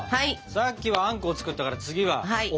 さっきはあんこを作ったから次はおですね。